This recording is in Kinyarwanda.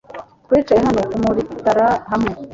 Twicaye hano kumuritara hamwe